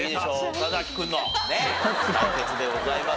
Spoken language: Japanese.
岡崎君のね対決でございます。